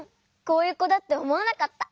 こういうこだっておもわなかった！